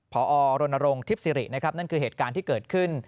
พรรณรงค์ทิศิรินั่นคือเหตุการณ์ที่เกิดขึ้น